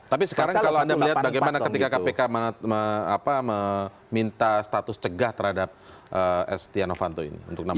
tapi sekarang kalau anda melihat bagaimana ketika kpk meminta status cegah terhadap setia novanto ini